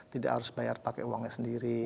tidak harus bayar pakai uangnya sendiri